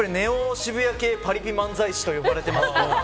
渋谷系パリピ漫才師と呼ばれてますから。